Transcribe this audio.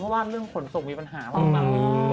เพราะว่าเรื่องขนส่งมีปัญหาข้างหลัง